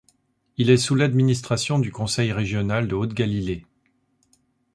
Il est sous l'administration du Conseil régional de Haute-Galilée.